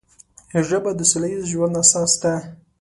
ژبه د سوله ییز ژوند اساس ده